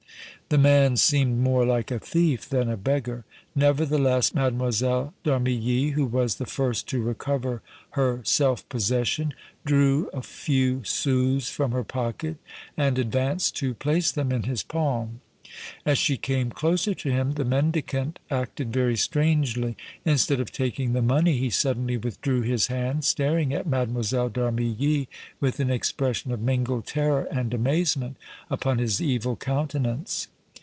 The man seemed more like a thief than a beggar. Nevertheless, Mlle. d' Armilly, who was the first to recover her self possession, drew a few sous from her pocket and advanced to place them in his palm. As she came closer to him, the mendicant acted very strangely. Instead of taking the money, he suddenly withdrew his hand, staring at Mlle. d' Armilly with an expression of mingled terror and amazement upon his evil countenance.